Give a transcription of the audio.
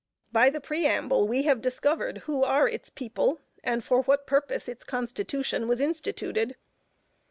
By the Preamble we have discovered who are its people, and for what purpose its Constitution was instituted.